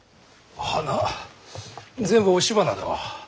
花全部押し花だわ。